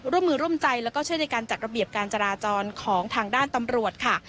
ร่วมมือร่วมใจแล้วก็ช่วยในการจัดระเบียบการจราจรของทางด้านตำรวจค่ะ